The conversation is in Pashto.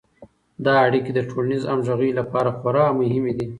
دا اړیکې د ټولنیز همغږي لپاره خورا مهمې دي.